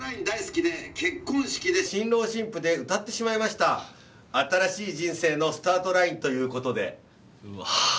大好きで結婚式で新郎新婦で歌ってしまいました新しい人生のスタートラインということでうわ